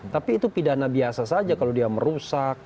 tapi itu pidana biasa saja kalau dia merusak